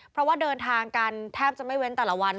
เพราะว่าเดินทางกันแทบจะไม่เว้นแต่ละวัน